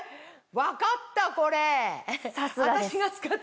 分かったこれ。